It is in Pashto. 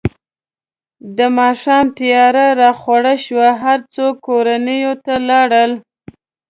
د ماښام تیاره راخوره شوه، هر څوک کورونو ته لاړل.